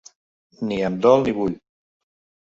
Ni em dol ni vull.